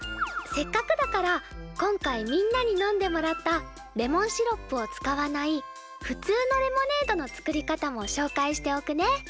せっかくだから今回みんなに飲んでもらったレモンシロップを使わないふつうのレモネードの作り方もしょうかいしておくね。